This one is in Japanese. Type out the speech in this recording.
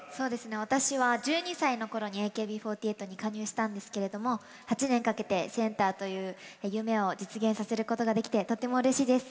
私は１２歳のころにＡＫＢ４８に加入したんですけれども８年かけてセンターという夢を実現させることができてとってもうれしいです。